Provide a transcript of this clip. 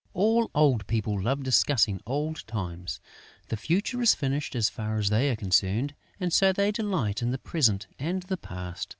All old people love discussing old times. The future is finished, as far as they are concerned; and so they delight in the present and the past.